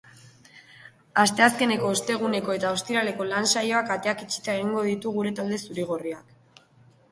Asteazkeneko, osteguneko eta ostiraleko lan-saioak ateak itxita egingo ditu talde zuri-gorriak.